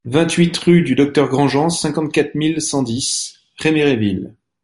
vingt-huit rue du Docteur Grandjean, cinquante-quatre mille cent dix Réméréville